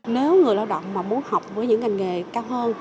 nếu người lao động mà muốn học với những ngành nghề cao hơn